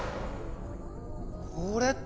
これって？